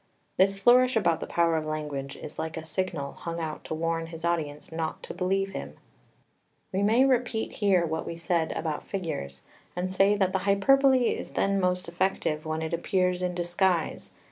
This flourish about the power of language is like a signal hung out to warn his audience not to believe him. [Footnote 2: Paneg. 8.] 3 We may repeat here what we said about figures, and say that the hyperbole is then most effective when it appears in disguise.